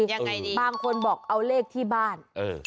ยังไงดีบางคนบอกเอาเลขที่บ้านเออ